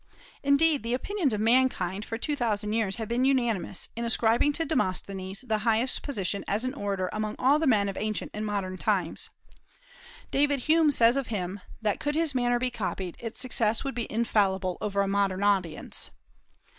Indeed, the opinions of mankind for two thousand years have been unanimous in ascribing to Demosthenes the highest position as an orator among all the men of ancient and modern times. David Hume says of him that "could his manner be copied, its success would be infallible over a modern audience."